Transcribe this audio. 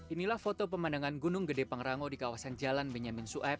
inilah foto pemandangan gunung gede pangrango di kawasan jalan benyamin sueb